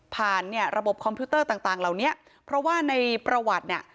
ผ่านระบบคอมพิวเตอร์ต่างเพราะว่าในประวัติ